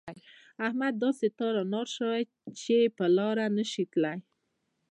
احمد داسې تار و نار شوی دی چې پر لاره نه شي تلای.